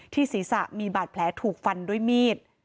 ศีรษะมีบาดแผลถูกฟันด้วยมีด